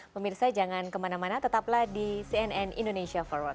pemirsa jangan kemana mana tetaplah di cnn indonesia forward